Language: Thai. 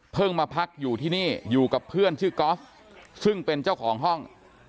มาพักอยู่ที่นี่อยู่กับเพื่อนชื่อกอล์ฟซึ่งเป็นเจ้าของห้อง